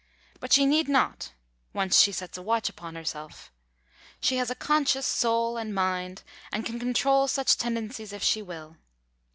But she need not, once she sets a watch upon herself; she has a conscious soul and mind, and can control such tendencies if she will.